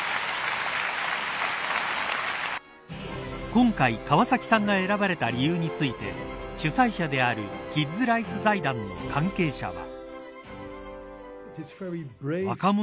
今回、川崎さんが選ばれた理由について主催者であるキッズライツ財団の関係者は。